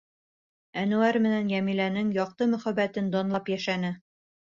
Әнүәр менән Йәмиләнең яҡты мөхәббәтен данлап йәшәне.